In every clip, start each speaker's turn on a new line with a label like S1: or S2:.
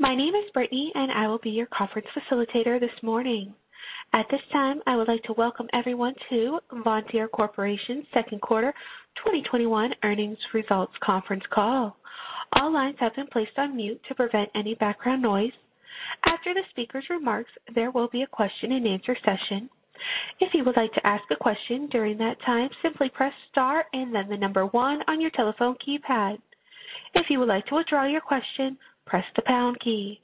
S1: My name is Brittany, and I will be your conference facilitator this morning. At this time, I would like to welcome everyone to Vontier Corporation's Second Quarter 2021 Earnings Results Conference Call. All lines have been placed on mute to prevent any background noise. After the speaker's remarks, there will be a question-and-answer session. If you would like to ask a question during that time, simply press star and then the one on your telephone keypad. If you would like to withdraw your question, press the pound key.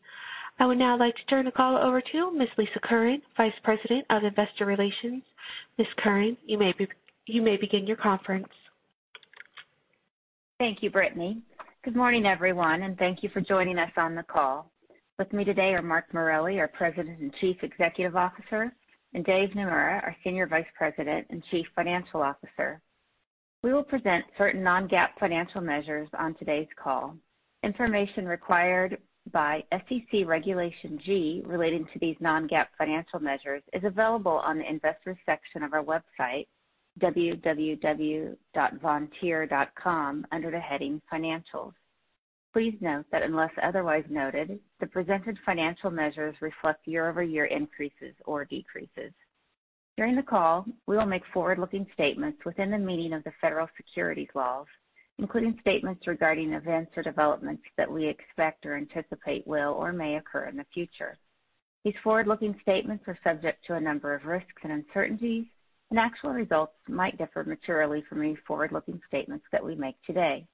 S1: I would now like to turn the call over to Ms. Lisa Curran, Vice President of Investor Relations. Ms. Curran, you may begin your conference.
S2: Thank you, Brittany. Good morning, everyone, and thank you for joining us on the call. With me today are Mark Morelli, our President and Chief Executive Officer, and David Naemura, our Senior Vice President and Chief Financial Officer. We will present certain non-GAAP financial measures on today's call. Information required by SEC Regulation G relating to these non-GAAP financial measures is available on the investors section of our website, www.vontier.com, under the heading Financials. Please note that unless otherwise noted, the presented financial measures reflect year-over-year increases or decreases. During the call, we will make forward-looking statements within the meaning of the federal securities laws, including statements regarding events or developments that we expect or anticipate will or may occur in the future. These forward-looking statements are subject to a number of risks and uncertainties, and actual results might differ materially from any forward-looking statements that we make today.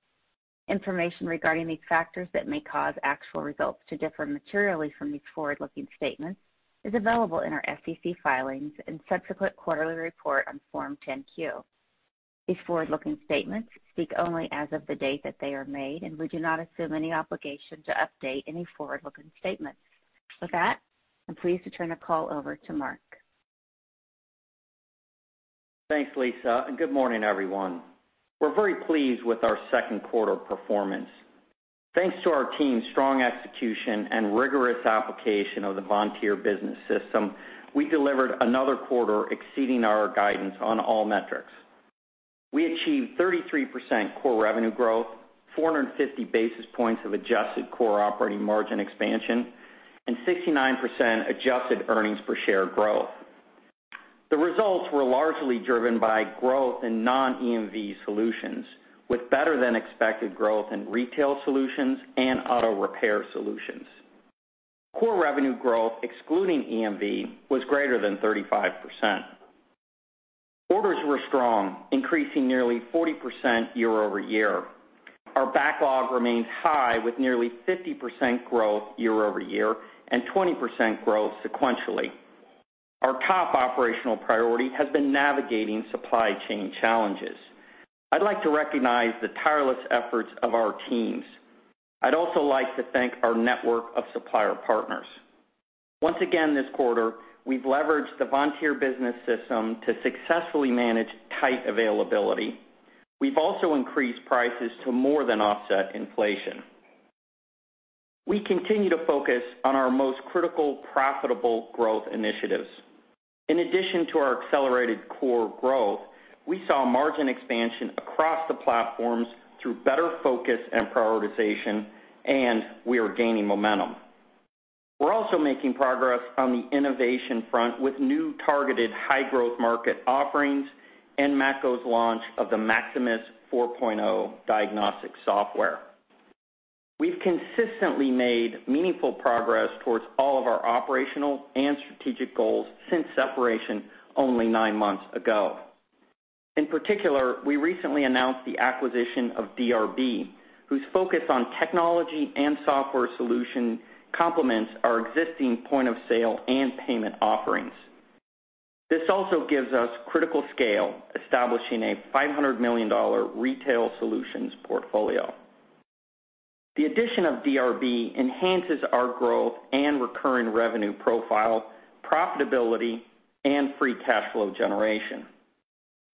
S2: Information regarding these factors that may cause actual results to differ materially from these forward-looking statements is available in our SEC filings and subsequent quarterly report on Form 10-Q. These forward-looking statements speak only as of the date that they are made, and we do not assume any obligation to update any forward-looking statements. With that, I'm pleased to turn the call over to Mark.
S3: Thanks, Lisa, and good morning, everyone. We're very pleased with our second quarter performance. Thanks to our team's strong execution and rigorous application of the Vontier Business System, we delivered another quarter exceeding our guidance on all metrics. We achieved 33% core revenue growth, 450 basis points of adjusted core operating margin expansion, and 69% adjusted earnings per share growth. The results were largely driven by growth in non-EMV solutions, with better than expected growth in retail solutions and auto repair solutions. Core revenue growth, excluding EMV, was greater than 35%. Orders were strong, increasing nearly 40% year-over-year. Our backlog remains high, with nearly 50% growth year-over-year and 20% growth sequentially. Our top operational priority has been navigating supply chain challenges. I'd like to recognize the tireless efforts of our teams. I'd also like to thank our network of supplier partners. Once again, this quarter, we've leveraged the Vontier Business System to successfully manage tight availability. We've also increased prices to more than offset inflation. We continue to focus on our most critical profitable growth initiatives. In addition to our accelerated core growth, we saw margin expansion across the platforms through better focus and prioritization, and we are gaining momentum. We're also making progress on the innovation front with new targeted high-growth market offerings and Matco's launch of the Maximus 4.0 diagnostic software. We've consistently made meaningful progress towards all of our operational and strategic goals since separation only nine months ago. In particular, we recently announced the acquisition of DRB, whose focus on technology and software solution complements our existing point-of-sale and payment offerings. This also gives us critical scale, establishing a $500 million retail solutions portfolio. The addition of DRB enhances our growth and recurring revenue profile, profitability, and free cash flow generation.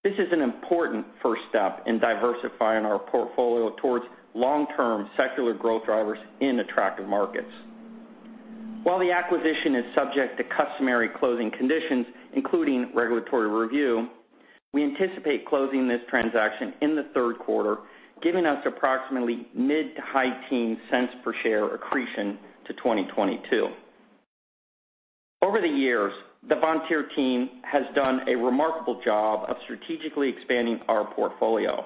S3: This is an important first step in diversifying our portfolio towards long-term secular growth drivers in attractive markets. While the acquisition is subject to customary closing conditions, including regulatory review, we anticipate closing this transaction in the third quarter, giving us approximately mid to high teen cents per share accretion to 2022. Over the years, the Vontier team has done a remarkable job of strategically expanding our portfolio.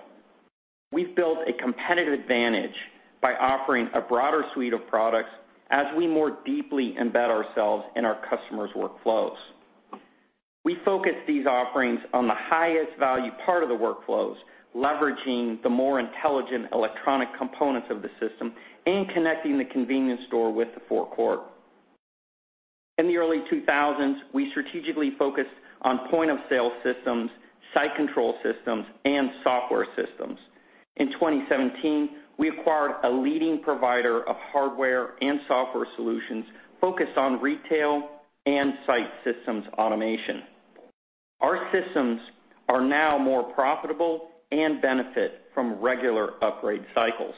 S3: We've built a competitive advantage by offering a broader suite of products as we more deeply embed ourselves in our customers' workflows. We focus these offerings on the highest value part of the workflows, leveraging the more intelligent electronic components of the system and connecting the convenience store with the forecourt. In the early 2000s, we strategically focused on point-of-sale systems, site control systems, and software systems. In 2017, we acquired a leading provider of hardware and software solutions focused on retail and site systems automation. Our systems are now more profitable and benefit from regular upgrade cycles.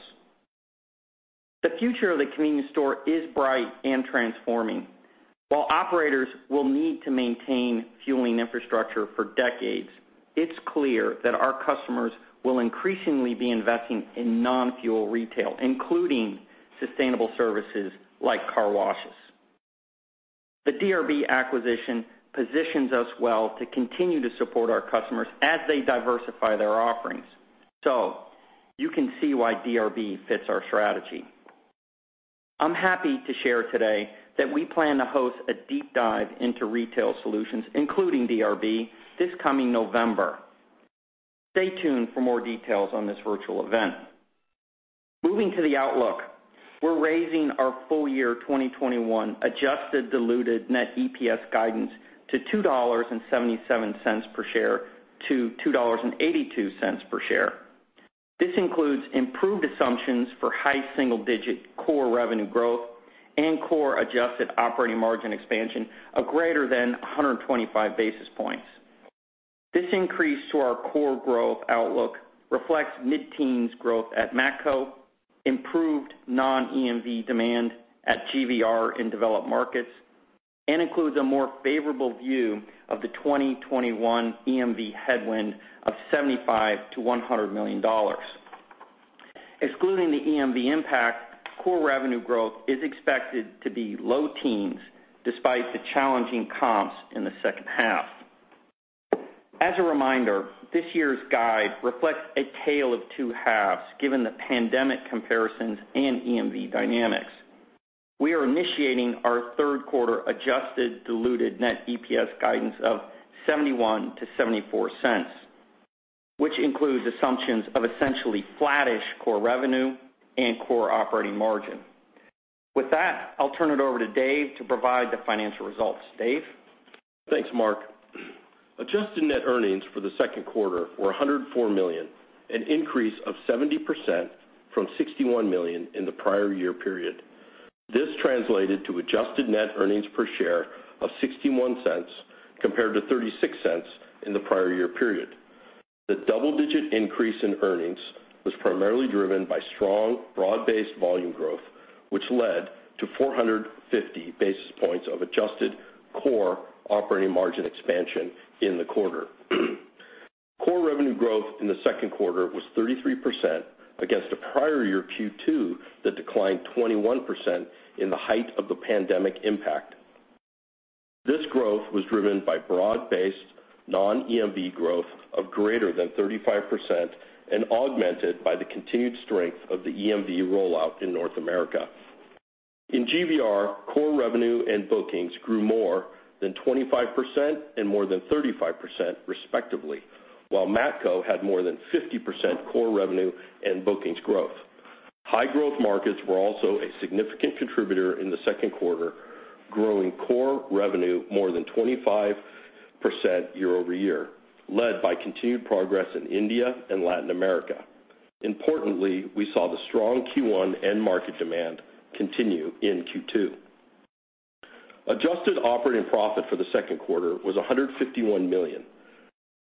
S3: The future of the convenience store is bright and transforming. While operators will need to maintain fueling infrastructure for decades, it's clear that our customers will increasingly be investing in non-fuel retail, including sustainable services like car washes. The DRB acquisition positions us well to continue to support our customers as they diversify their offerings, you can see why DRB fits our strategy. I'm happy to share today that we plan to host a deep dive into retail solutions, including DRB, this coming November. Stay tuned for more details on this virtual event. Moving to the outlook, we're raising our full year 2021 adjusted diluted net EPS guidance to $2.77 per share-$2.82 per share. This includes improved assumptions for high single-digit core revenue growth and core adjusted operating margin expansion of greater than 125 basis points. This increase to our core growth outlook reflects mid-teens growth at Matco, improved non-EMV demand at GVR in developed markets, and includes a more favorable view of the 2021 EMV headwind of $75 million-$100 million. Excluding the EMV impact, core revenue growth is expected to be low teens, despite the challenging comps in the second half. As a reminder, this year's guide reflects a tale of two halves, given the pandemic comparisons and EMV dynamics. We are initiating our third quarter adjusted diluted net EPS guidance of $0.71-$0.74, which includes assumptions of essentially flattish core revenue and core operating margin. With that, I'll turn it over to Dave to provide the financial results. Dave?
S4: Thanks, Mark. Adjusted net earnings for the second quarter were $104 million, an increase of 70% from $61 million in the prior year period. This translated to adjusted net earnings per share of $0.61 compared to $0.36 in the prior year period. The double-digit increase in earnings was primarily driven by strong broad-based volume growth, which led to 450 basis points of adjusted core operating margin expansion in the quarter. Core revenue growth in the second quarter was 33% against a prior year Q2 that declined 21% in the height of the pandemic impact. This growth was driven by broad-based non-EMV growth of greater than 35% and augmented by the continued strength of the EMV rollout in North America. In GVR, core revenue and bookings grew more than 25% and more than 35%, respectively, while Matco had more than 50% core revenue and bookings growth. High growth markets were also a significant contributor in the second quarter, growing core revenue more than 25% year-over-year, led by continued progress in India and Latin America. Importantly, we saw the strong Q1 end market demand continue in Q2. Adjusted operating profit for the second quarter was $151 million,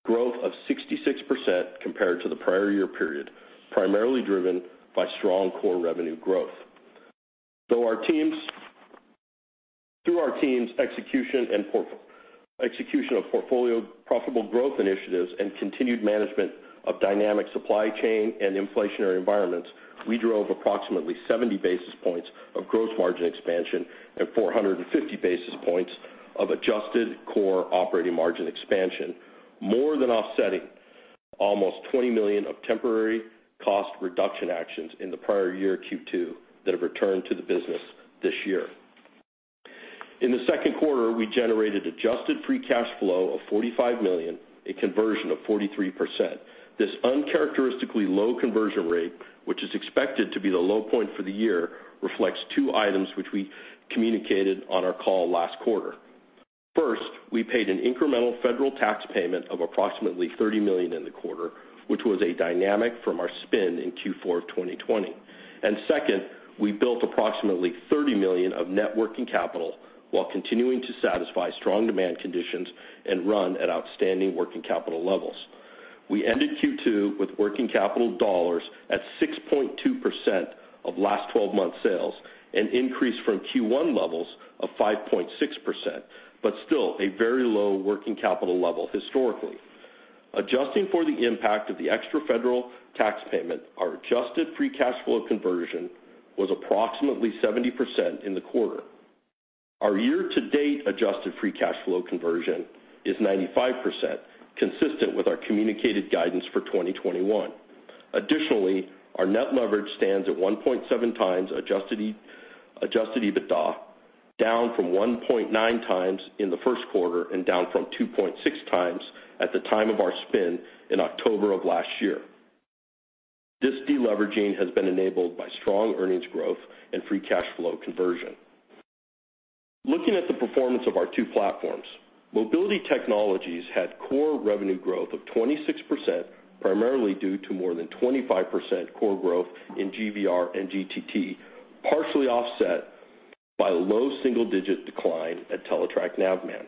S4: growth of 66% compared to the prior year period, primarily driven by strong core revenue growth. Through our team's execution of portfolio profitable growth initiatives and continued management of dynamic supply chain and inflationary environments, we drove approximately 70 basis points of gross margin expansion and 450 basis points of adjusted core operating margin expansion, more than offsetting almost $20 million of temporary cost reduction actions in the prior year Q2 that have returned to the business this year. In the second quarter, we generated adjusted free cash flow of $45 million, a conversion of 43%. This uncharacteristically low conversion rate, which is expected to be the low point for the year, reflects two items which we communicated on our call last quarter. First, we paid an incremental federal tax payment of approximately $30 million in the quarter, which was a dynamic from our spin in Q4 of 2020. Second, we built approximately $30 million of net working capital while continuing to satisfy strong demand conditions and run at outstanding working capital levels. We ended Q2 with working capital dollars at 6.2% of last 12-month sales, an increase from Q1 levels of 5.6%, but still a very low working capital level historically. Adjusting for the impact of the extra federal tax payment, our adjusted free cash flow conversion was approximately 70% in the quarter. Our year-to-date adjusted free cash flow conversion is 95%, consistent with our communicated guidance for 2021. Additionally, our net leverage stands at 1.7 times adjusted EBITDA, down from 1.9 times in the first quarter and down from 2.6 times at the time of our spin in October of last year. This de-leveraging has been enabled by strong earnings growth and free cash flow conversion. Looking at the performance of our two platforms, Mobility Technologies had core revenue growth of 26%, primarily due to more than 25% core growth in GVR and GTT, partially offset by low single-digit decline at Teletrac Navman.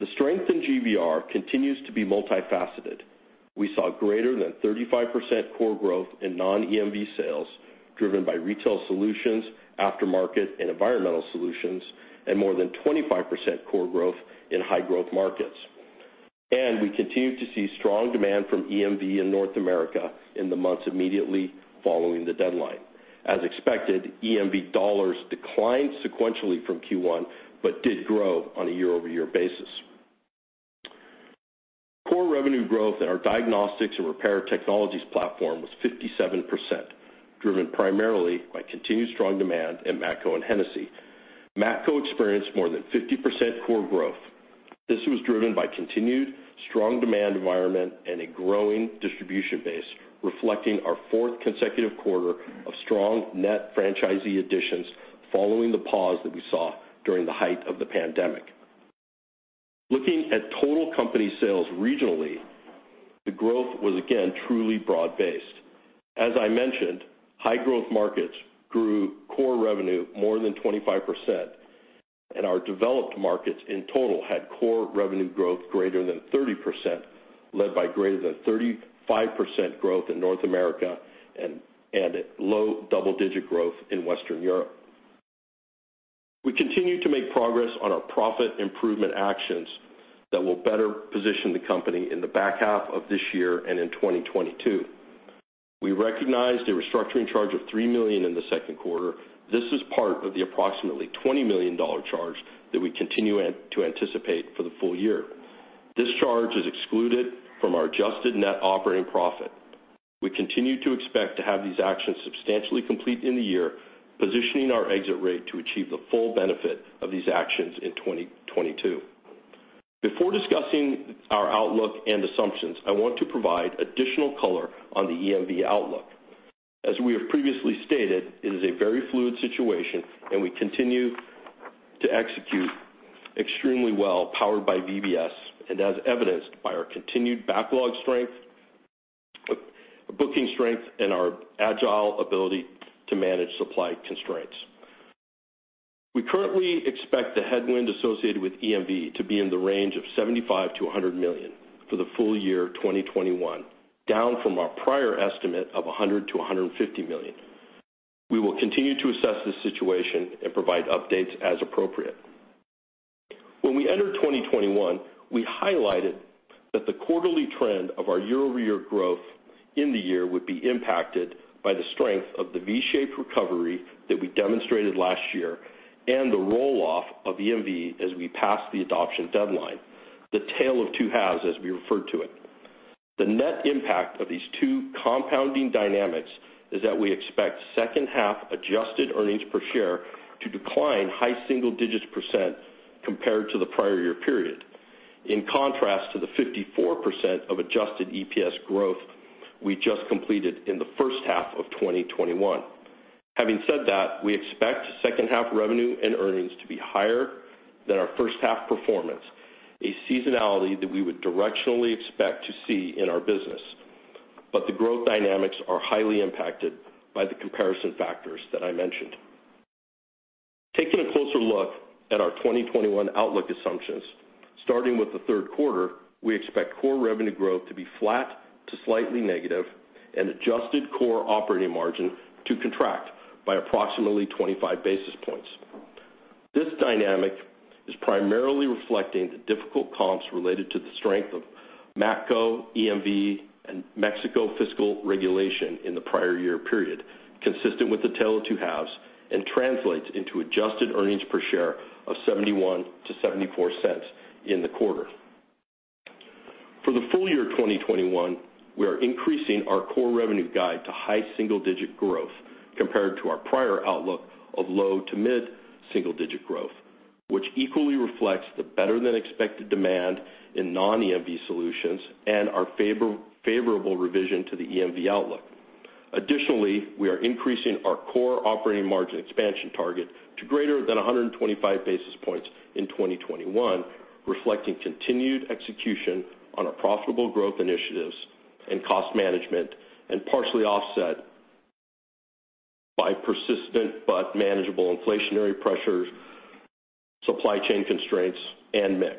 S4: The strength in GVR continues to be multifaceted. We saw greater than 35% core growth in non-EMV sales, driven by retail solutions, aftermarket and environmental solutions, and more than 25% core growth in high growth markets. We continue to see strong demand from EMV in North America in the months immediately following the deadline. As expected, EMV dollars declined sequentially from Q1, but did grow on a year-over-year basis. Core revenue growth in our diagnostics and repair technologies platform was 57%, driven primarily by continued strong demand at Matco and Hennessy. Matco experienced more than 50% core growth. This was driven by continued strong demand environment and a growing distribution base, reflecting our fourth consecutive quarter of strong net franchisee additions following the pause that we saw during the height of the pandemic. Looking at total company sales regionally, the growth was again truly broad-based. As I mentioned, high growth markets grew core revenue more than 25% and our developed markets in total had core revenue growth greater than 30%, led by greater than 35% growth in North America and low double-digit growth in Western Europe. We continue to make progress on our profit improvement actions that will better position the company in the back half of this year and in 2022. We recognized a restructuring charge of $3 million in the second quarter. This is part of the approximately $20 million charge that we continue to anticipate for the full year. This charge is excluded from our adjusted net operating profit. We continue to expect to have these actions substantially complete in the year, positioning our exit rate to achieve the full benefit of these actions in 2022. Before discussing our outlook and assumptions, I want to provide additional color on the EMV outlook. As we have previously stated, it is a very fluid situation and we continue to execute extremely well, powered by VBS and as evidenced by our continued backlog strength, booking strength, and our agile ability to manage supply constraints. We currently expect the headwind associated with EMV to be in the range of $75 million-$100 million for the full year 2021, down from our prior estimate of $100 million-$150 million. We will continue to assess this situation and provide updates as appropriate. When we entered 2021, we highlighted that the quarterly trend of our year-over-year growth in the year would be impacted by the strength of the V-shaped recovery that we demonstrated last year and the roll-off of EMV as we passed the adoption deadline. The tail of two halves, as we refer to it. The net impact of these two compounding dynamics is that we expect second half adjusted earnings per share to decline high single digits % compared to the prior year period. In contrast to the 54% of adjusted EPS growth we just completed in the first half of 2021. Having said that, we expect second half revenue and earnings to be higher than our first half performance, a seasonality that we would directionally expect to see in our business. The growth dynamics are highly impacted by the comparison factors that I mentioned. Taking a closer look at our 2021 outlook assumptions. Starting with the third quarter, we expect core revenue growth to be flat to slightly negative and adjusted core operating margin to contract by approximately 25 basis points. This dynamic is primarily reflecting the difficult comps related to the strength of Matco, EMV, and Mexico fiscal regulation in the prior year period, consistent with the tail of two halves, and translates into adjusted earnings per share of $0.71-$0.74 in the quarter. For the full year 2021, we are increasing our core revenue guide to high single-digit growth compared to our prior outlook of low to mid-single-digit growth, which equally reflects the better than expected demand in non-EMV solutions and our favorable revision to the EMV outlook. Additionally, we are increasing our core operating margin expansion target to greater than 125 basis points in 2021, reflecting continued execution on our profitable growth initiatives and cost management, and partially offset by persistent but manageable inflationary pressures, supply chain constraints, and mix.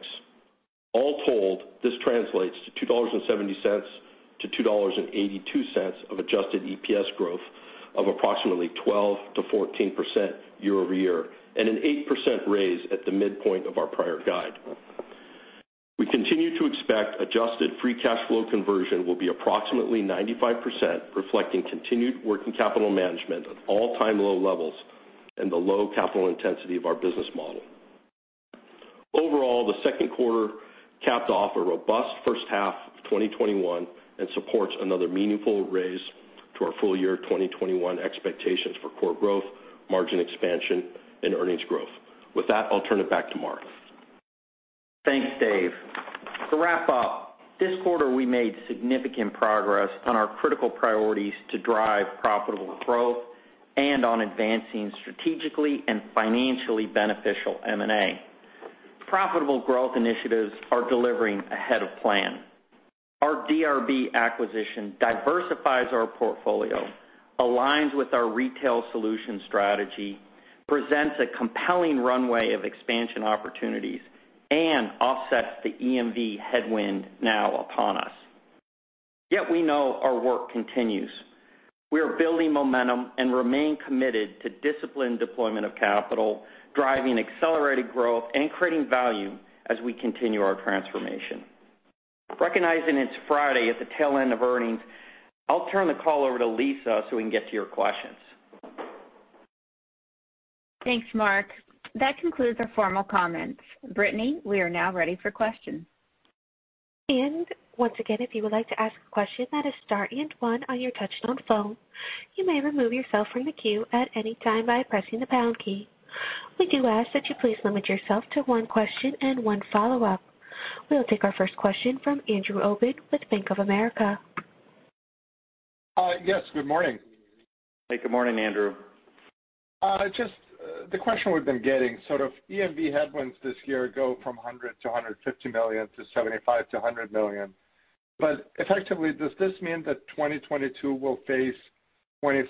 S4: All told, this translates to $2.70-$2.82 of adjusted EPS growth of approximately 12%-14% year-over-year, and an 8% raise at the midpoint of our prior guide. We continue to expect adjusted free cash flow conversion will be approximately 95%, reflecting continued working capital management at all-time low levels and the low capital intensity of our business model. Overall, the second quarter capped off a robust first half of 2021 and supports another meaningful raise to our full year 2021 expectations for core growth, margin expansion, and earnings growth. With that, I'll turn it back to Mark.
S3: Thanks, Dave. To wrap up, this quarter we made significant progress on our critical priorities to drive profitable growth and on advancing strategically and financially beneficial M&A. Profitable growth initiatives are delivering ahead of plan. Our DRB acquisition diversifies our portfolio, aligns with our retail solution strategy, presents a compelling runway of expansion opportunities, and offsets the EMV headwind now upon us. We know our work continues. We are building momentum and remain committed to disciplined deployment of capital, driving accelerated growth and creating value as we continue our transformation. Recognizing it's Friday at the tail end of earnings, I'll turn the call over to Lisa so we can get to your questions.
S2: Thanks, Mark. That concludes our formal comments. Brittany, we are now ready for questions.
S1: Once again, if you would like to ask a question, that is star one on your touchtone phone. You may remove yourself from the queue at any time by pressing the pound key. We do ask that you please limit yourself to one question and one follow-up. We will take our first question from Andrew Obin with Bank of America.
S5: Yes, good morning.
S3: Hey, good morning, Andrew.
S5: Just the question we've been getting, sort of EMV headwinds this year go from $100 million-$150 million to $75 million-$100 million. Effectively, does this mean that 2022 will face $25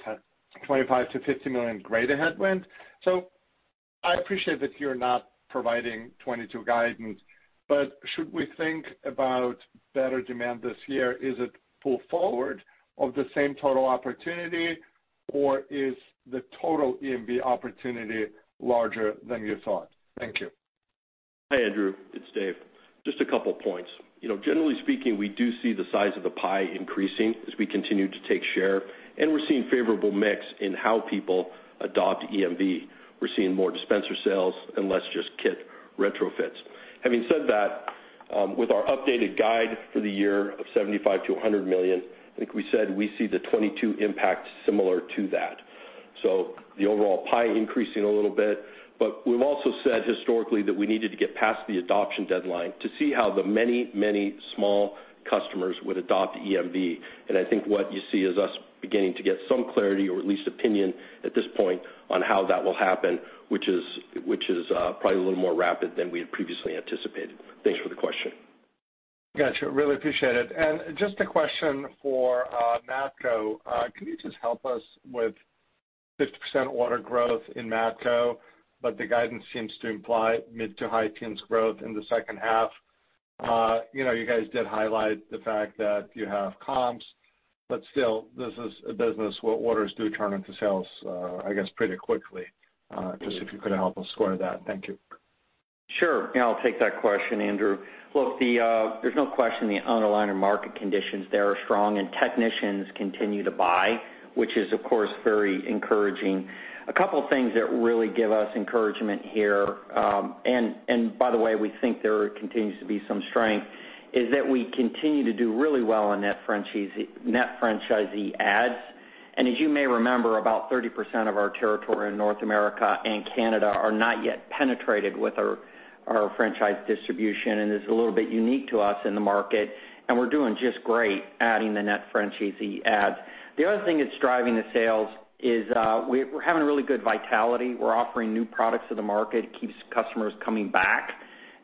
S5: million-$50 million greater headwind? I appreciate that you're not providing 2022 guidance. Should we think about better demand this year? Is it pull forward of the same total opportunity, or is the total EMV opportunity larger than you thought? Thank you.
S4: Hi, Andrew. It's Dave. Just a couple of points. Generally speaking, we do see the size of the pie increasing as we continue to take share, and we're seeing favorable mix in how people adopt EMV. We're seeing more dispenser sales and less just kit retrofits. Having said that, with our updated guide for the year of $75 million-$100 million, I think we said we see the 2022 impact similar to that. The overall pie increasing a little bit, but we've also said historically that we needed to get past the adoption deadline to see how the many, many small customers would adopt EMV. I think what you see is us beginning to get some clarity or at least opinion at this point on how that will happen, which is probably a little more rapid than we had previously anticipated. Thanks for the question.
S5: Got you. Really appreciate it. Just a question for Matco. Can you just help us with 50% order growth in Matco, but the guidance seems to imply mid to high teens growth in the second half. You guys did highlight the fact that you have comps, but still, this is a business where orders do turn into sales, I guess, pretty quickly. Just if you could help us square that. Thank you.
S3: Sure. Yeah, I'll take that question, Andrew. Look, there's no question the underlying market conditions there are strong and technicians continue to buy, which is, of course, very encouraging. A couple of things that really give us encouragement here, by the way, we think there continues to be some strength, is that we continue to do really well on net franchisee adds. As you may remember, about 30% of our territory in North America and Canada are not yet penetrated with our franchise distribution, and is a little bit unique to us in the market, and we're doing just great adding the net franchisee adds. The other thing that's driving the sales is we're having really good vitality, we're offering new products to the market. It keeps customers coming back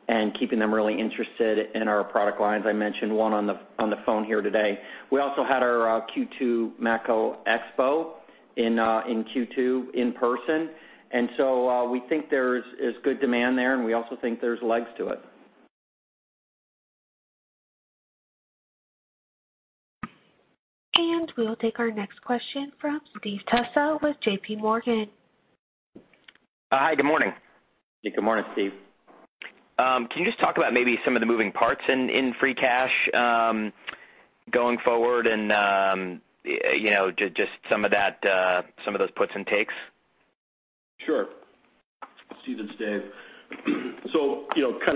S3: and keeping them really interested in our product lines. I mentioned one on the phone here today. We also had our Q2 Matco Expo in Q2 in person. We think there's good demand there, and we also think there's legs to it.
S1: We'll take our next question from Steve Tusa with JP Morgan.
S6: Hi, good morning.
S3: Good morning, Steve.
S6: Can you just talk about maybe some of the moving parts in free cash going forward and just some of those puts and takes?
S4: Sure. Steve, it's Dave.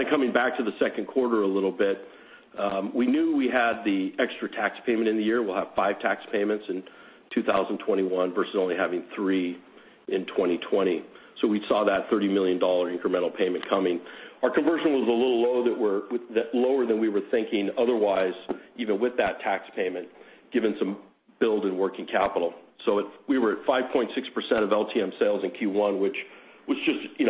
S4: Coming back to the second quarter a little bit, we knew we had the extra tax payment in the year. We'll have five tax payments in 2021 versus only having three in 2020, we saw that $30 million incremental payment coming. Our conversion was a little lower than we were thinking otherwise, even with that tax payment, given some build in working capital. We were at 5.6% of LTM sales in Q1, which was just,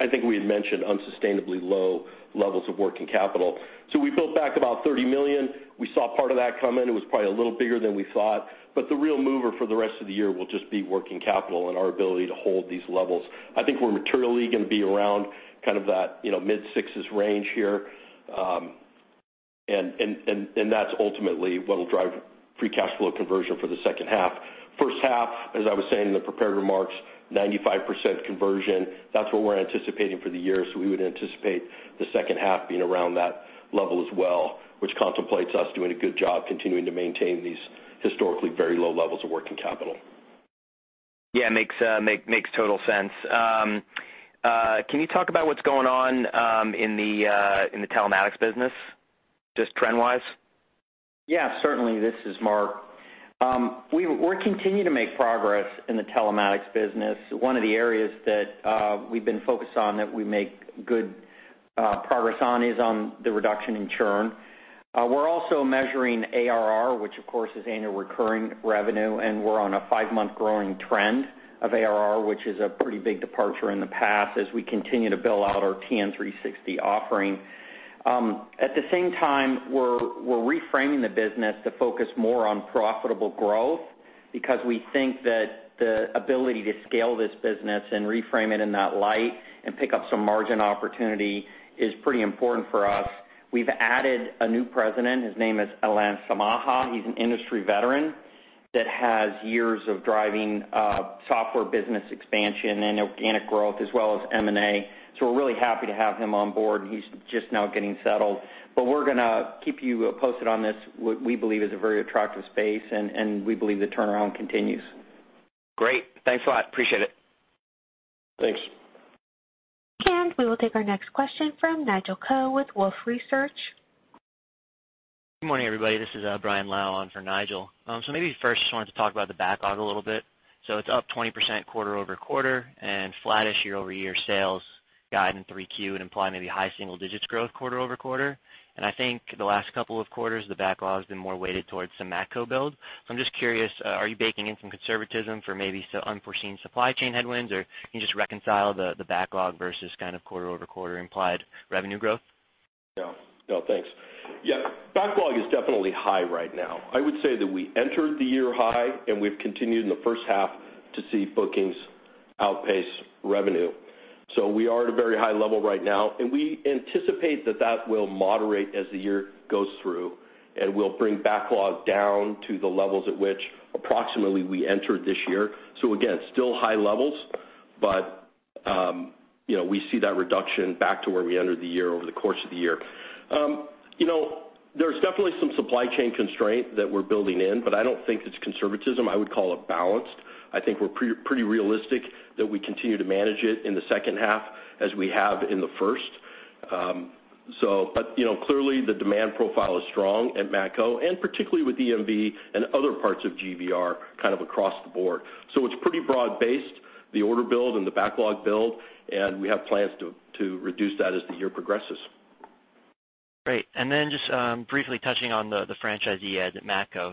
S4: I think we had mentioned, unsustainably low levels of working capital. We built back about $30 million. We saw part of that come in. It was probably a little bigger than we thought, but the real mover for the rest of the year will just be working capital and our ability to hold these levels. I think we're materially going to be around kind of that mid-sixes range here, and that's ultimately what will drive free cash flow conversion for the second half. First half, as I was saying in the prepared remarks, 95% conversion. That's what we're anticipating for the year. We would anticipate the second half being around that level as well, which contemplates us doing a good job continuing to maintain these historically very low levels of working capital.
S6: Yeah, makes total sense. Can you talk about what's going on in the telematics business, just trend-wise?
S3: Yeah, certainly. This is Mark. We continue to make progress in the telematics business. One of the areas that we've been focused on that we make good progress on is on the reduction in churn. We're also measuring ARR, which of course is annual recurring revenue, and we're on a five-month growing trend of ARR, which is a pretty big departure in the past as we continue to build out our TN360 offering. At the same time, we're reframing the business to focus more on profitable growth because we think that the ability to scale this business and reframe it in that light and pick up some margin opportunity is pretty important for us. We've added a new President, his name is Alain Samaha. He's an industry veteran that has years of driving software business expansion and organic growth as well as M&A. We're really happy to have him on board. He's just now getting settled, but we're going to keep you posted on this, what we believe is a very attractive space, and we believe the turnaround continues.
S6: Great. Thanks a lot. Appreciate it.
S4: Thanks.
S1: We will take our next question from Nigel Coe with Wolfe Research.
S7: Good morning, everybody. This is Brian Lau on for Nigel. Maybe first just wanted to talk about the backlog a little bit. It's up 20% quarter-over-quarter and flattish year-over-year sales guide in 3Q would imply maybe high single digits growth quarter-over-quarter. I think the last couple of quarters, the backlog has been more weighted towards the Matco build. I'm just curious, are you baking in some conservatism for maybe some unforeseen supply chain headwinds? Or can you just reconcile the backlog versus kind of quarter-over-quarter implied revenue growth?
S4: Thanks. Backlog is definitely high right now. I would say that we entered the year high, and we've continued in the first half to see bookings outpace revenue. We are at a very high level right now, and we anticipate that that will moderate as the year goes through and will bring backlog down to the levels at which approximately we entered this year. Again, still high levels, but we see that reduction back to where we entered the year over the course of the year. There's definitely some supply chain constraint that we're building in, but I don't think it's conservatism. I would call it balanced. I think we're pretty realistic that we continue to manage it in the second half as we have in the first. Clearly the demand profile is strong at Matco and particularly with EMV and other parts of GVR kind of across the board. It's pretty broad-based, the order build and the backlog build, and we have plans to reduce that as the year progresses.
S7: Great. Just briefly touching on the franchisee add at Matco.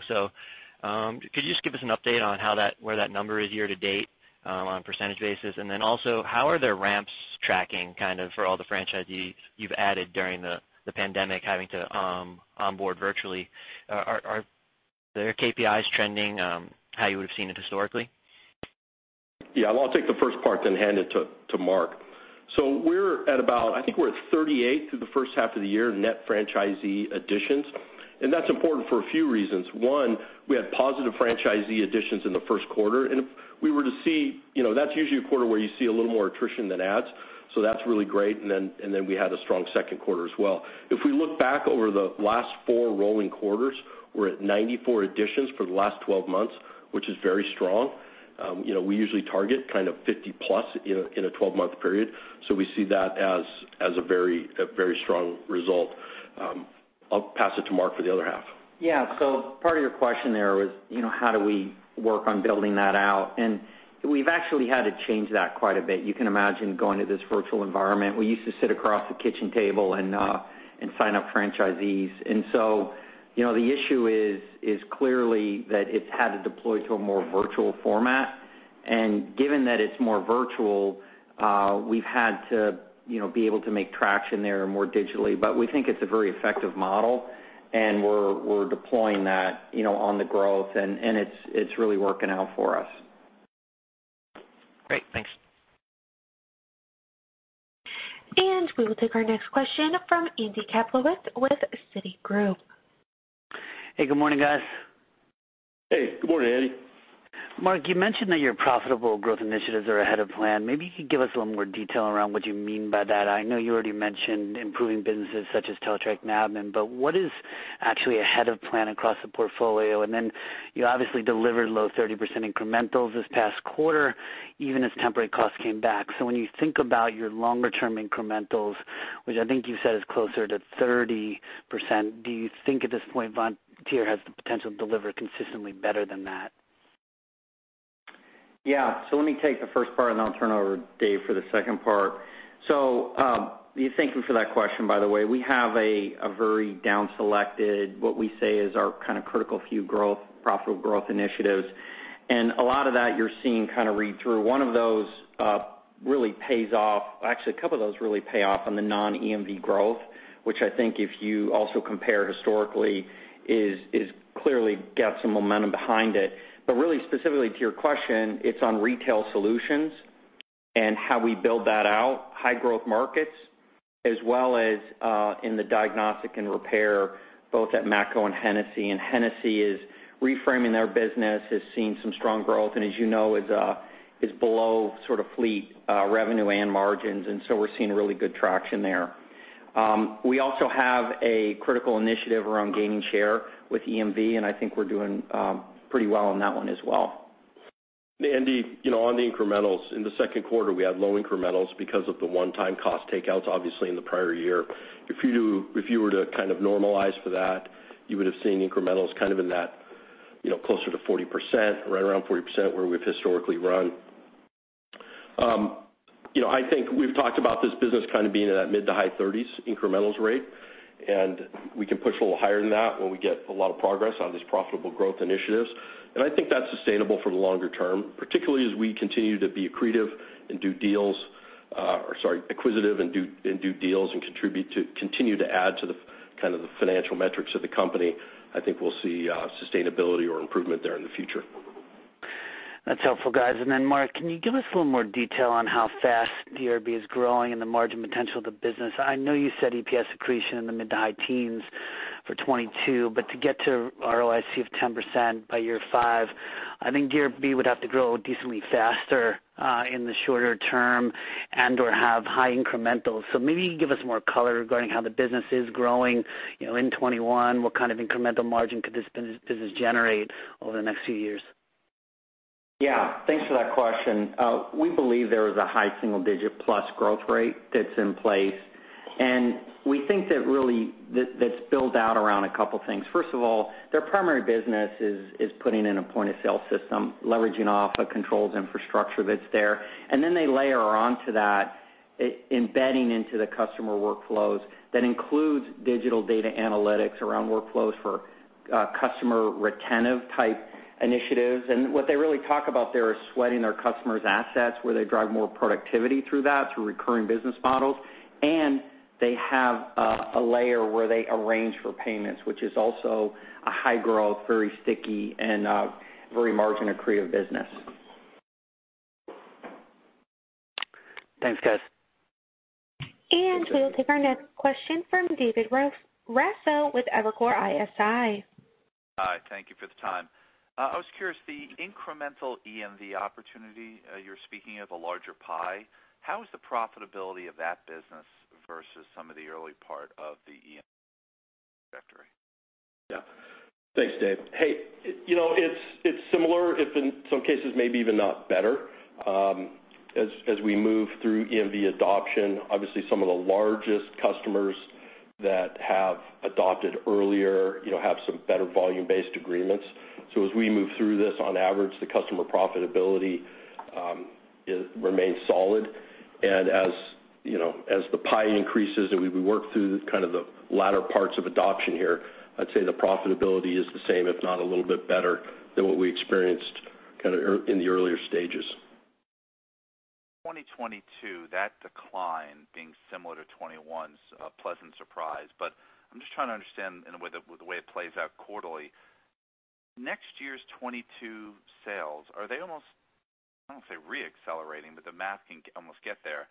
S7: Could you just give us an update on where that number is year to date on a percentage basis? Also, how are their ramps tracking kind of for all the franchisees you've added during the pandemic, having to onboard virtually? Are their KPIs trending how you would have seen it historically?
S4: I'll take the first part, hand it to Mark. We're at about 38 through the first half of the year, net franchisee additions, that's important for a few reasons. One, we had positive franchisee additions in the first quarter. That's usually a quarter where you see a little more attrition than adds, that's really great. We had a strong second quarter as well. If we look back over the last four rolling quarters, we're at 94 additions for the last 12 months, which is very strong. We usually target kind of 50+ in a 12-month period. We see that as a very strong result. I'll pass it to Mark for the other half.
S3: Yeah. Part of your question there was how do we work on building that out? We've actually had to change that quite a bit, you can imagine going to this virtual environment. We used to sit across the kitchen table and sign up franchisees. The issue is clearly that it's had to deploy to a more virtual format. Given that it's more virtual, we've had to be able to make traction there more digitally. We think it's a very effective model, and we're deploying that on the growth, and it's really working out for us.
S7: Great. Thanks.
S1: We will take our next question from Andy Kaplowitz with Citigroup.
S8: Hey, good morning, guys.
S4: Hey, good morning, Andy.
S8: Mark, you mentioned that your profitable growth initiatives are ahead of plan. Maybe you could give us a little more detail around what you mean by that. I know you already mentioned improving businesses such as Teletrac Navman, what is actually ahead of plan across the portfolio? You obviously delivered low 30% incrementals this past quarter, even as temporary costs came back. When you think about your longer term incrementals, which I think you said is closer to 30%, do you think at this point Vontier has the potential to deliver consistently better than that?
S3: Yeah. Let me take the first part, and then I'll turn it over to Dave for the second part. Thank you for that question, by the way. We have a very down-selected, what we say is our kind of critical few growth, profitable growth initiatives. A lot of that you're seeing kind of read through. One of those really pays off. Actually, a couple of those really pay off on the non-EMV growth, which I think if you also compare historically is clearly got some momentum behind it. Really specifically to your question, it's on retail solutions and how we build that out, high growth markets as well as in the diagnostic and repair, both at Matco and Hennessy. Hennessy is reframing their business, has seen some strong growth, and as you know, is below sort of fleet revenue and margins, we're seeing really good traction there. We also have a critical initiative around gaining share with EMV, and I think we're doing pretty well on that one as well.
S4: Andy, on the incrementals in the second quarter, we had low incrementals because of the one-time cost takeouts, obviously in the prior year. If you were to kind of normalize for that, you would have seen incrementals kind of in that closer to 40%, right around 40%, where we've historically run. I think we've talked about this business kind of being in that mid to high 30s incrementals rate, and we can push a little higher than that when we get a lot of progress on these profitable growth initiatives. I think that's sustainable for the longer term, particularly as we continue to be accretive and do dealsOr sorry, acquisitive and do deals and continue to add to the financial metrics of the company, I think we'll see sustainability or improvement there in the future.
S8: That's helpful, guys. Mark, can you give us a little more detail on how fast DRB is growing and the margin potential of the business? I know you said EPS accretion in the mid-to-high teens for 2022, but to get to ROIC of 10% by year five, I think DRB would have to grow decently faster in the shorter term and/or have high incrementals. Maybe you can give us more color regarding how the business is growing in 2021, what kind of incremental margin could this business generate over the next few years?
S3: Yeah. Thanks for that question. We believe there is a high single-digit plus growth rate that's in place, and we think that really that's built out around a couple things. First of all, their primary business is putting in a point-of-sale system, leveraging off a controls infrastructure that's there, and then they layer onto that, embedding into the customer workflows, that includes digital data analytics around workflows for customer retentive type initiatives. What they really talk about there is sweating their customers' assets, where they drive more productivity through that, through recurring business models. They have a layer where they arrange for payments, which is also a high growth, very sticky, and very margin accretive business.
S8: Thanks, guys.
S1: We will take our next question from David Raso with Evercore ISI.
S9: Hi, thank you for the time. I was curious, the incremental EMV opportunity, you're speaking of a larger pie. How is the profitability of that business versus some of the early part of the EMV trajectory?
S4: Yeah. Thanks, Dave. Hey, it's similar, if in some cases maybe even not better. As we move through EMV adoption, obviously some of the largest customers that have adopted earlier have some better volume-based agreements. As we move through this, on average, the customer profitability remains solid. As the pie increases and we work through kind of the latter parts of adoption here, I'd say the profitability is the same, if not a little bit better than what we experienced in the earlier stages.
S9: 2022, that decline being similar to 2021's a pleasant surprise. I'm just trying to understand in the way it plays out quarterly. Next year's 2022 sales, are they almost, I don't want to say re-accelerating, but the math can almost get there?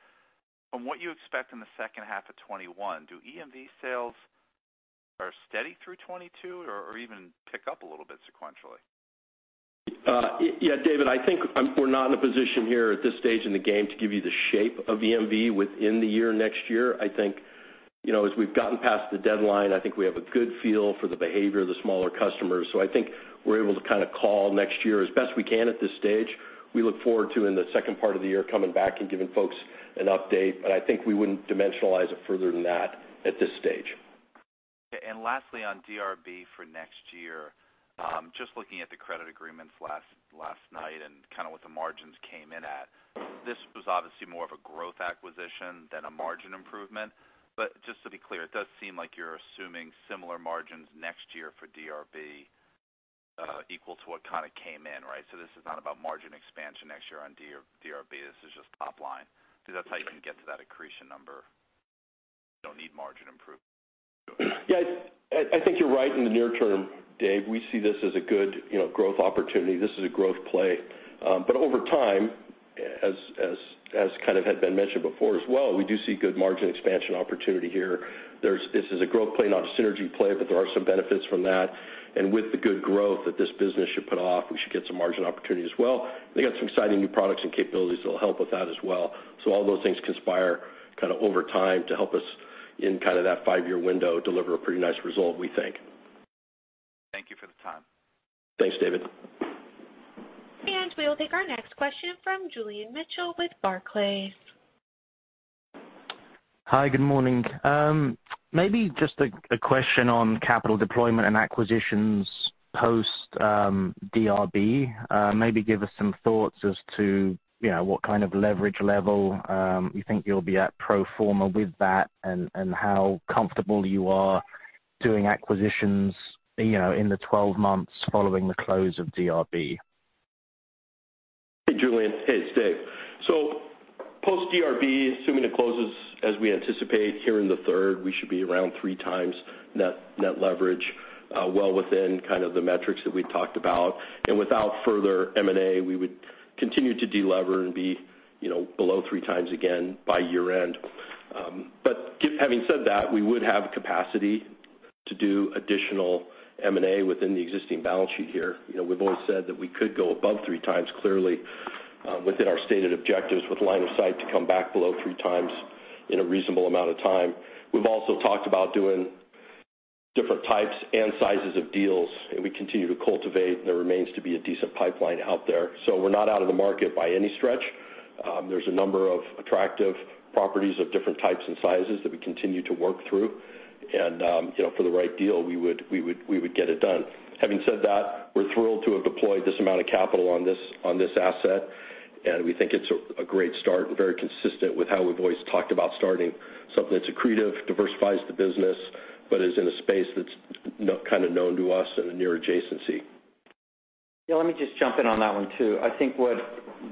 S9: From what you expect in the second half of 2021, do EMV sales are steady through 2022 or even pick up a little bit sequentially?
S4: Yeah, David, I think we're not in a position here at this stage in the game to give you the shape of EMV within the year next year. I think, as we've gotten past the deadline, I think we have a good feel for the behavior of the smaller customers. I think we're able to call next year as best we can at this stage. We look forward to in the second part of the year coming back and giving folks an update, but I think we wouldn't dimensionalize it further than that at this stage.
S9: Lastly, on DRB for next year, just looking at the credit agreements last night and kind of what the margins came in at. This was obviously more of a growth acquisition than a margin improvement. Just to be clear, it does seem like you're assuming similar margins next year for DRB equal to what kind of came in, right? This is not about margin expansion next year on DRB, this is just top line, because that's how you can get to that accretion number. You don't need margin improvement.
S4: Yeah. I think you're right in the near term, Dave. We see this as a good growth opportunity. This is a growth play. Over time, as kind of had been mentioned before as well, we do see good margin expansion opportunity here. This is a growth play, not a synergy play, but there are some benefits from that. With the good growth that this business should put off, we should get some margin opportunity as well. They got some exciting new products and capabilities that'll help with that as well. All those things conspire over time to help us in that five-year window deliver a pretty nice result, we think.
S9: Thank you for the time.
S4: Thanks, David.
S1: We will take our next question from Julian Mitchell with Barclays.
S10: Hi, good morning. Just a question on capital deployment and acquisitions post DRB. Give us some thoughts as to what kind of leverage level you think you'll be at pro forma with that, and how comfortable you are doing acquisitions in the 12 months following the close of DRB.
S4: Hey, Julian. Hey, it's Dave. Post DRB, assuming it closes as we anticipate here in the 3rd, we should be around 3 times net leverage, well within kind of the metrics that we'd talked about. Without further M&A, we would continue to de-lever and be below three times again by year-end. Having said that, we would have capacity to do additional M&A within the existing balance sheet here. We've always said that we could go above three times clearly within our stated objectives with line of sight to come back below three times in a reasonable amount of time. We've also talked about doing different types and sizes of deals, and we continue to cultivate, and there remains to be a decent pipeline out there. We're not out of the market by any stretch. There's a number of attractive properties of different types and sizes that we continue to work through. For the right deal, we would get it done. Having said that, we're thrilled to have deployed this amount of capital on this asset, and we think it's a great start and very consistent with how we've always talked about starting something that's accretive, diversifies the business, but is in a space that's kind of known to us in a near adjacency.
S3: Yeah, let me just jump in on that one too. I think what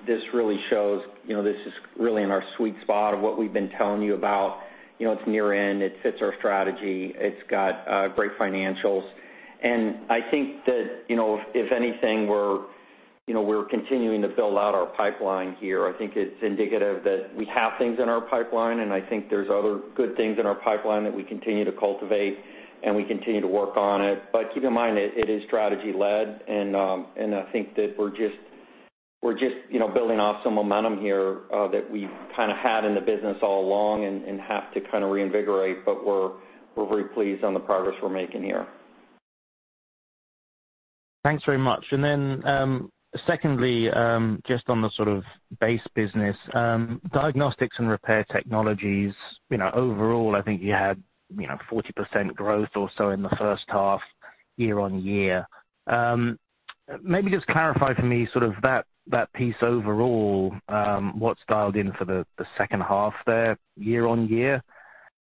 S3: this really shows, this is really in our sweet spot of what we've been telling you about. It's near end, it fits our strategy, it's got great financials. I think that if anything, we're continuing to build out our pipeline here. I think it's indicative that we have things in our pipeline, and I think there's other good things in our pipeline that we continue to cultivate and we continue to work on it. Keep in mind, it is strategy led, and I think that we're just building off some momentum here that we've kind of had in the business all along and have to kind of reinvigorate. We're very pleased on the progress we're making here.
S10: Thanks very much. Secondly, just on the sort of base business, diagnostics and repair technologies, overall, I think you had 40% growth or so in the first half, year-on-year. Maybe just clarify for me sort of that piece overall, what's dialed in for the second half there year-on-year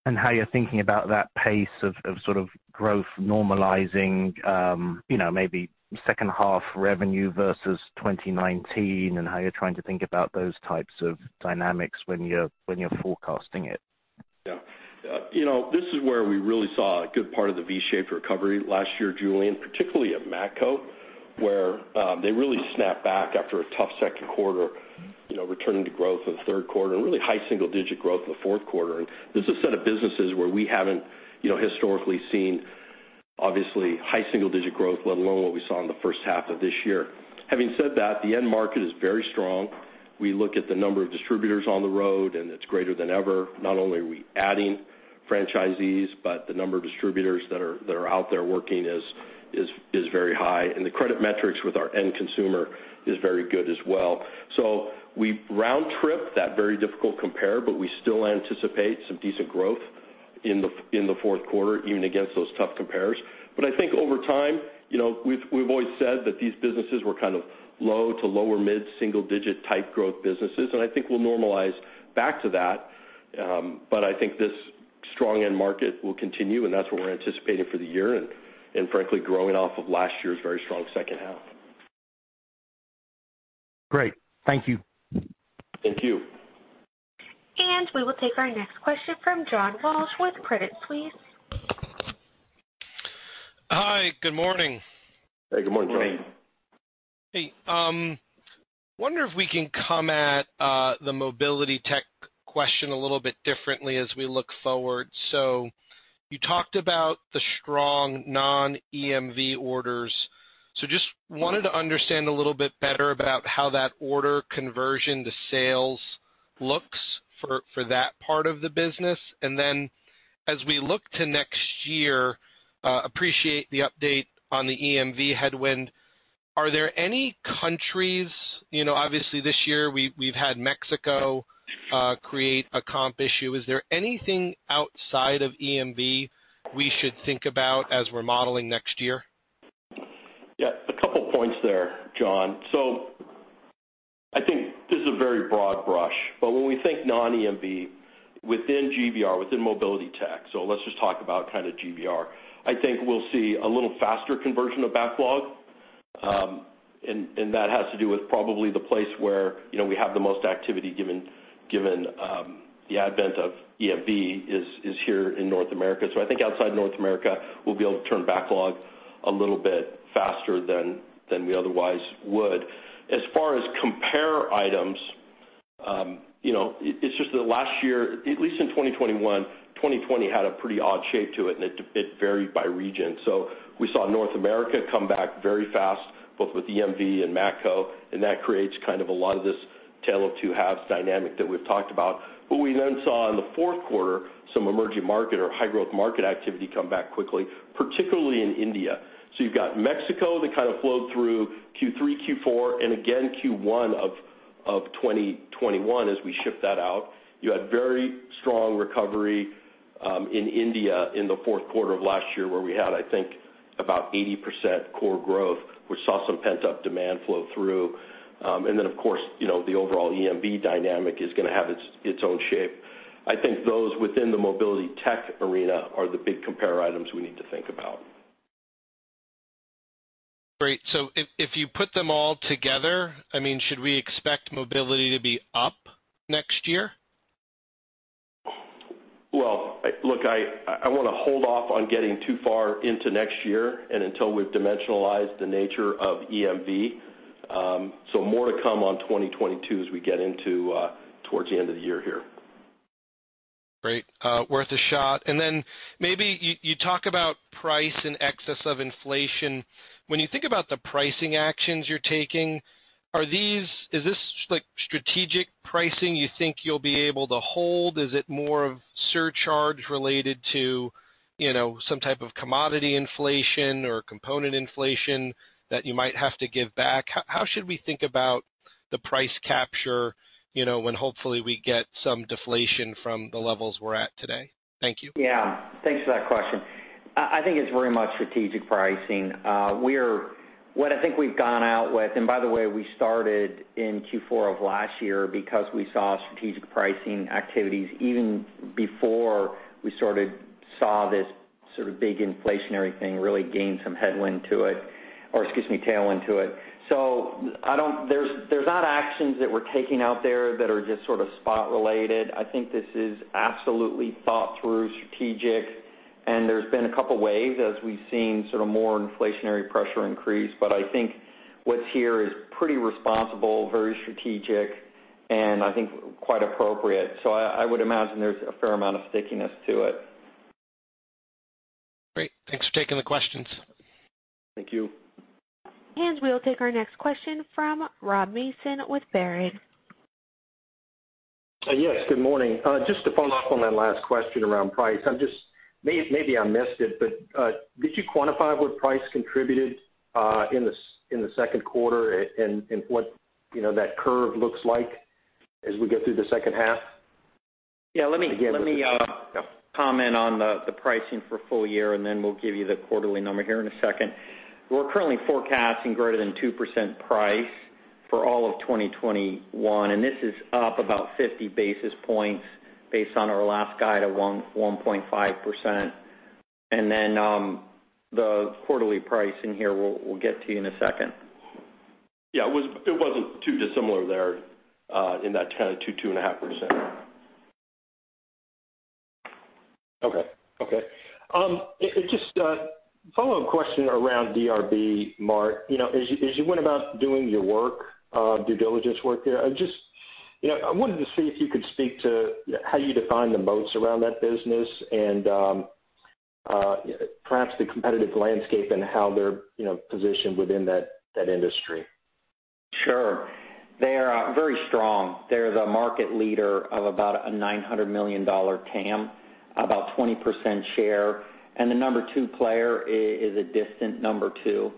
S10: and how you're thinking about that pace of sort of growth normalizing, maybe second half revenue versus 2019, and how you're trying to think about those types of dynamics when you're forecasting it.
S4: Yeah. This is where we really saw a good part of the V-shaped recovery last year, Julian, particularly at Matco, where they really snapped back after a tough second quarter, returning to growth in the third quarter and really high single-digit growth in the fourth quarter. This is a set of businesses where we haven't historically seen, obviously, high single-digit growth, let alone what we saw in the first half of this year. Having said that, the end market is very strong. We look at the number of distributors on the road, and it's greater than ever. Not only are we adding franchisees, but the number of distributors that are out there working is very high, and the credit metrics with our end consumer is very good as well. We round-trip that very difficult compare, but we still anticipate some decent growth in the fourth quarter, even against those tough compares. I think over time, we've always said that these businesses were kind of low to lower mid-single digit type growth businesses, and I think we'll normalize back to that. I think this strong end market will continue, and that's what we're anticipating for the year and, frankly, growing off of last year's very strong second half.
S10: Great. Thank you.
S4: Thank you.
S1: We will take our next question from John Walsh with Credit Suisse, please.
S11: Hi, good morning.
S4: Hey. Good morning, John.
S3: Hey.
S11: Hey. Wonder if we can come at the Mobility Tech question a little bit differently as we look forward. You talked about the strong non-EMV orders. Just wanted to understand a little bit better about how that order conversion to sales looks for that part of the business. As we look to next year, appreciate the update on the EMV headwind. Are there any countries, obviously this year we've had Mexico create a comp issue. Is there anything outside of EMV we should think about as we're modeling next year?
S4: A couple points there, John. I think this is a very broad brush, but when we think non-EMV within GVR, within Mobility Technologies, let's just talk about kind of GVR. I think we'll see a little faster conversion of backlog. That has to do with probably the place where we have the most activity given the advent of EMV is here in North America. I think outside North America, we'll be able to turn backlog a little bit faster than we otherwise would. As far as compare items, it's just that last year, at least in 2021, 2020 had a pretty odd shape to it, and it varied by region. We saw North America come back very fast, both with EMV and Matco, and that creates kind of a lot of this tale of 2/2 dynamic that we've talked about. We then saw in the fourth quarter some emerging market or high growth market activity come back quickly, particularly in India. You've got Mexico that kind of flowed through Q3, Q4, and again Q1 of 2021 as we ship that out. You had very strong recovery in India in the fourth quarter of last year, where we had, I think, about 80% core growth. We saw some pent-up demand flow through. Of course, the overall EMV dynamic is going to have its own shape. I think those within the mobility tech arena are the big compare items we need to think about.
S11: Great. If you put them all together, should we expect Mobility to be up next year?
S4: Well, look, I want to hold off on getting too far into next year and until we've dimensionalized the nature of EMV. More to come on 2022 as we get into towards the end of the year here.
S11: Great. Worth a shot. Then maybe you talk about price in excess of inflation. When you think about the pricing actions you're taking, is this strategic pricing you think you'll be able to hold? Is it more of surcharge related to some type of commodity inflation or component inflation that you might have to give back? How should we think about the price capture when hopefully we get some deflation from the levels we're at today? Thank you.
S3: Yeah. Thanks for that question. I think it's very much strategic pricing. I think we've gone out with, and by the way, we started in Q4 of last year because we saw strategic pricing activities even before we sort of saw this sort of big inflationary thing really gained some headwind to it, or excuse me, tailwind to it. There's not actions that we're taking out there that are just sort of spot related. I think this is absolutely thought through, strategic, and there's been a couple of waves as we've seen sort of more inflationary pressure increase. I think what's here is pretty responsible, very strategic, and I think quite appropriate. I would imagine there's a fair amount of stickiness to it.
S11: Great. Thanks for taking the questions.
S3: Thank you.
S1: We'll take our next question from Rob Mason with Baird.
S12: Yes, good morning. Just to follow up on that last question around price. Maybe I missed it, but did you quantify what price contributed in the second quarter and what that curve looks like as we go through the second half?
S3: Yeah. Comment on the pricing for full year, and then we'll give you the quarterly number here in a second. We're currently forecasting greater than 2% price for all of 2021, and this is up about 50 basis points based on our last guide of 1.5%. Then the quarterly pricing here, we'll get to you in a second.
S4: Yeah, it wasn't too dissimilar there in that 10%-2.5%.
S12: Okay. Just a follow-up question around DRB, Mark. As you went about doing your work, due diligence work there, I wanted to see if you could speak to how you define the moats around that business and perhaps the competitive landscape and how they're positioned within that industry.
S3: Sure. They are very strong. They're the market leader of about a $900 million TAM, about 20% share. The number two player is a distant number two.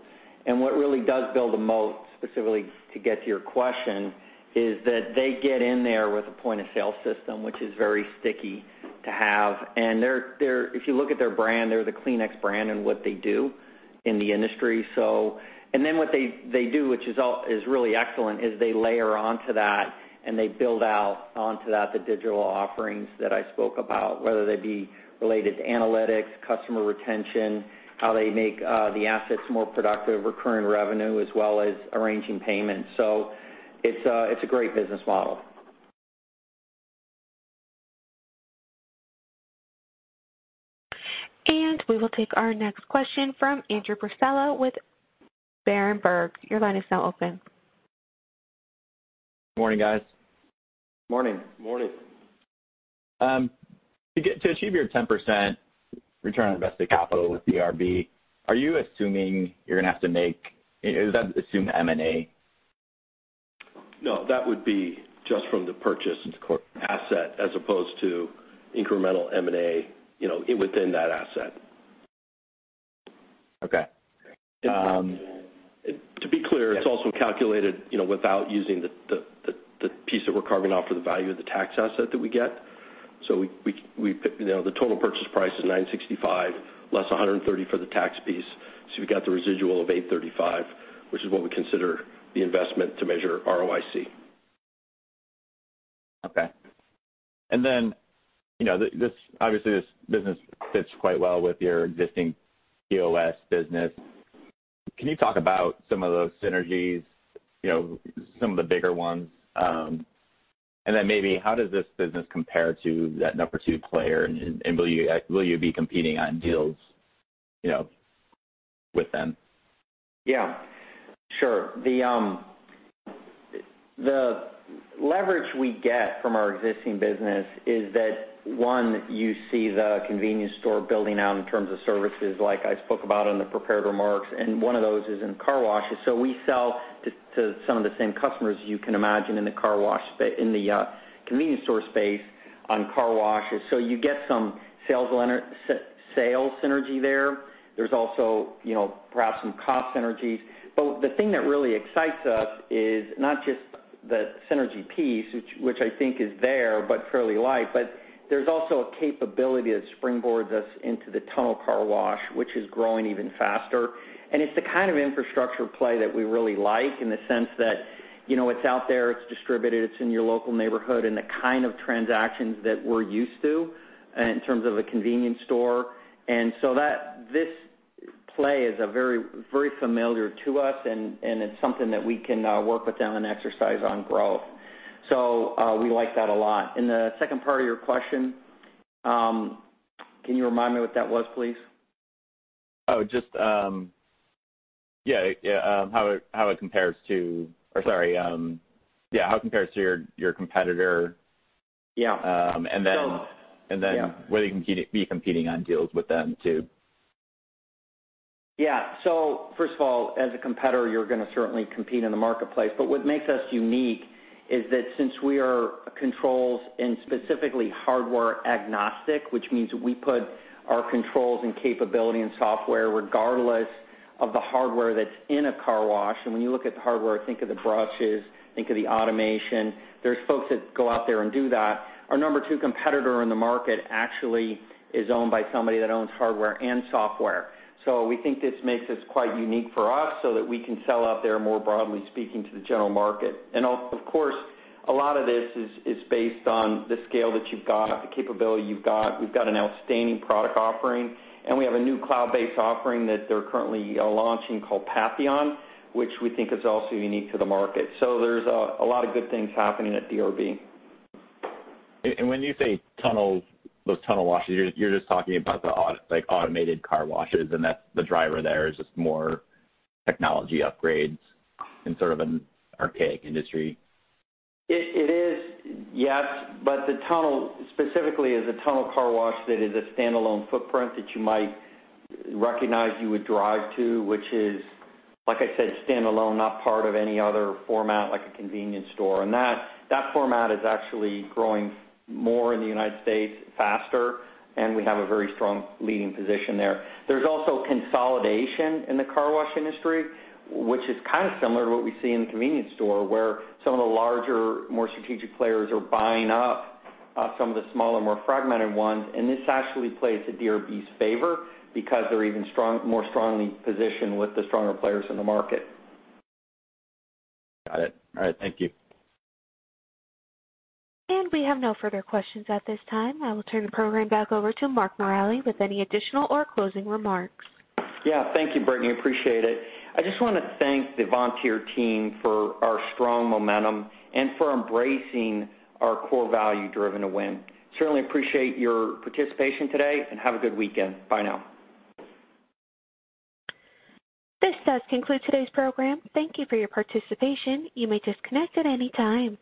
S3: What really does build a moat, specifically to get to your question, is that they get in there with a point-of-sale system, which is very sticky to have. If you look at their brand, they're the Kleenex brand in what they do in the industry. Then what they do, which is really excellent, is they layer onto that and they build out onto that the digital offerings that I spoke about, whether they be related to analytics, customer retention, how they make the assets more productive, recurring revenue, as well as arranging payments. It's a great business model.
S1: We will take our next question from Andrew Buscaglia with Berenberg. Your line is now open.
S13: Morning, guys.
S3: Morning.
S4: Morning.
S13: To achieve your 10% return on invested capital with DRB, are you going to have to assume M&A?
S4: No, that would be just from the purchased asset as opposed to incremental M&A within that asset.
S13: Okay.
S4: To be clear, it's also calculated without using the piece that we're carving off for the value of the tax asset that we get. The total purchase price is $965 less $130 for the tax piece. We've got the residual of $835, which is what we consider the investment to measure ROIC.
S13: Okay. Obviously this business fits quite well with your existing POS business. Can you talk about some of those synergies, some of the bigger ones? Maybe how does this business compare to that number two player, and will you be competing on deals with them?
S3: Yeah, sure. The leverage we get from our existing business is that, one, you see the convenience store building out in terms of services like I spoke about in the prepared remarks, and one of those is in car washes. We sell to some of the same customers you can imagine in the convenience store space on car washes. You get some sales synergy there. There's also perhaps some cost synergies. The thing that really excites us is not just the synergy piece, which I think is there, but fairly light, but there's also a capability that springboards us into the tunnel car wash, which is growing even faster. It's the kind of infrastructure play that we really like in the sense that it's out there, it's distributed, it's in your local neighborhood and the kind of transactions that we're used to in terms of a convenience store. This play is very familiar to us and it's something that we can work with them and exercise on growth. We like that a lot. The second part of your question, can you remind me what that was, please?
S13: Oh, just how it compares to, sorry. Yeah, how it compares to your competitor?
S3: Yeah.
S13: And then.
S3: Yeah.
S13: Whether you can be competing on deals with them, too.
S3: Yeah. First of all, as a competitor, you're going to certainly compete in the marketplace. What makes us unique is that since we are controls and specifically hardware agnostic, which means we put our controls and capability and software regardless of the hardware that's in a car wash. When you look at the hardware, think of the brushes, think of the automation. There's folks that go out there and do that. Our number two competitor in the market actually is owned by somebody that owns hardware and software. We think this makes this quite unique for us so that we can sell out there more broadly speaking to the general market. Of course, a lot of this is based on the scale that you've got, the capability you've got. We've got an outstanding product offering, and we have a new cloud-based offering that they're currently launching called Patheon, which we think is also unique to the market. There's a lot of good things happening at DRB.
S13: When you say those tunnel washes, you're just talking about the automated car washes, and the driver there is just more technology upgrades in sort of an archaic industry.
S3: It is, yes. The tunnel specifically is a tunnel car wash that is a standalone footprint that you might recognize you would drive to, which is, like I said, standalone, not part of any other format like a convenience store. That format is actually growing more in the U.S. faster, and we have a very strong leading position there. There's also consolidation in the car wash industry, which is kind of similar to what we see in the convenience store, where some of the larger, more strategic players are buying up some of the smaller, more fragmented ones. This actually plays to DRB's favor because they're even more strongly positioned with the stronger players in the market.
S13: Got it. All right. Thank you.
S1: We have no further questions at this time. I will turn the program back over to Mark Morelli with any additional or closing remarks.
S3: Thank you, Brittany, appreciate it. I just want to thank the Vontier team for our strong momentum and for embracing our core value driven to win. Certainly appreciate your participation today, and have a good weekend. Bye now.
S1: This does conclude today's program. Thank you for your participation. You may disconnect at any time.